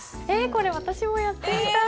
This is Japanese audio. これ私もやってみたい。